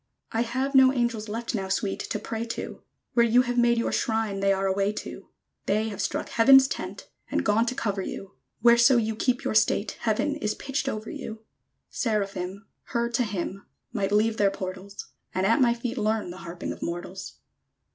_ I have no angels left Now, Sweet, to pray to: Where you have made your shrine They are away to. They have struck Heaven's tent, And gone to cover you: Whereso you keep your state Heaven is pitched over you! _Seraphim, Her to hymn, Might leave their portals; And at my feet learn The harping of mortals!